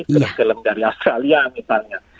film film dari australia misalnya